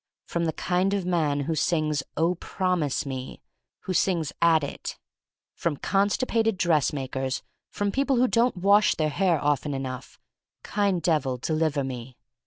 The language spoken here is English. From the kind of man who sings, "Oh, Promise Me!" — ^who sings at it; from constipated dressmakers; from people who don't wash their hair often enough: Kind Devil, deliver me.